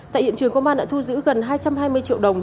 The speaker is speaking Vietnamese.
tại hiện trường công an đã thu giữ gần hai trăm hai mươi triệu đồng